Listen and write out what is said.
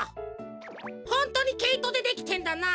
ほんとにけいとでできてんだな。